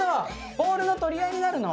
ボールの取り合いになるの？